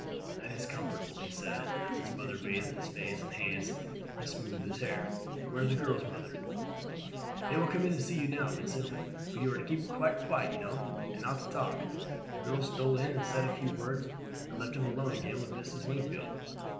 "That is comfortable," he said, as his mother bathed his face and hands and smoothed his hair. "Where are the girls, mother?" "They will come in to see you now, Vincent; but you are to keep quite quiet you know, and not to talk." The girls stole in and said a few words, and left him alone again with Mrs. Wingfield.